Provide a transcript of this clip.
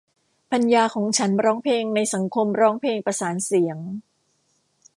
ภรรยาของฉันร้องเพลงในสังคมร้องเพลงประสานเสียง